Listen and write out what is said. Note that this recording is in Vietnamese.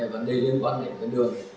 vấn đề liên quan đến con đường